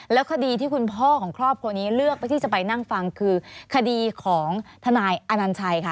แล้วคดีที่คุณพ่อของครอบครัวนี้เลือกเพื่อที่จะไปนั่งฟังคือคดีของทนายอนัญชัยค่ะ